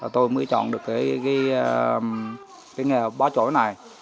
tôi mới chọn được cái nghề bó trổi này